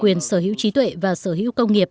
quyền sở hữu trí tuệ và sở hữu công nghiệp